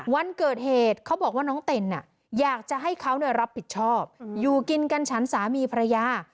วันเกิดเหตุเขาบอกว่าน้องเต็นอยากจะให้เขารับผิดชอบอยู่กินกันฉันสามีภรรยา